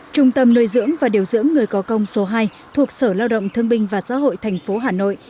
trung tâm nuôi dưỡng và điều dưỡng người có công số hai thuộc sở lao động thương binh và giáo hội tp hà nội